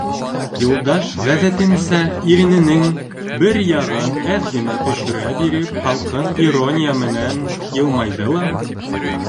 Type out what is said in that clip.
Юлдаш, ғәҙәтенсә, ирененең бер яғын әҙ генә төшөрә биреп, һалҡын ирония менән йылмайҙы ла: